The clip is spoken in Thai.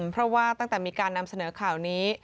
เพราะว่าตั้งแต่มีการนำเสนอข่าวนี้